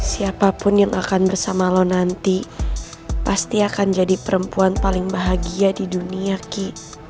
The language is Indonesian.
siapapun yang akan bersama lo nanti pasti akan jadi perempuan paling bahagia di dunia ki